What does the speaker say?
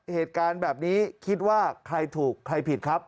เหตุการณ์แบบนี้คิดว่าใครถูกใครผิดครับ